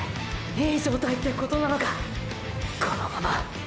いい状態ってことなのかこのままーー！！